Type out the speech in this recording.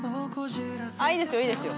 いいですよいいですよ。